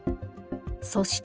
そして。